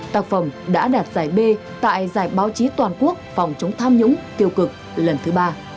tác phẩm đã đạt giải b tại giải báo chí toàn quốc phòng chống tham nhũng tiêu cực lần thứ ba